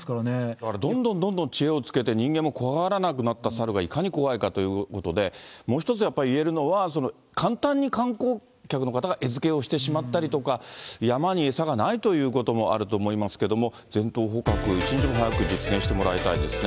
だからどんどんどんどん知恵をつけて人間も怖がらなくなったサルがいかに怖いかということで、もう一つ、やっぱり言えるのは、簡単に観光客の方が餌付けをしてしまったりとか、山に餌がないということもあると思いますけども、全頭捕獲、一日も早く実現してもらいたいですね。